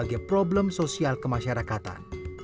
bagi problem sosial kemasyarakatan